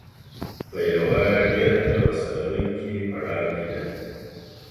په یوه ډېره تلوسه لرونکي پړاو کې ده.